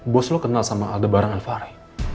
bos lo kenal sama aldebaran al fahri